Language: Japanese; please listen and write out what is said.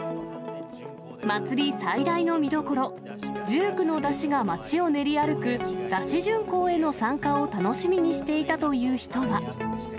祭り最大の見どころ、１９の山車が町を練り歩く山車巡行への参加を楽しみにしていたという人は。